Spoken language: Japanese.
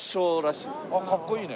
あっかっこいいね。